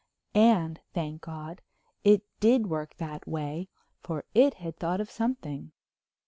And, thank God, it did work that way, for it had thought of something!